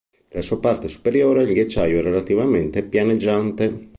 Nella sua parte superiore il ghiacciaio è relativamente pianeggiante.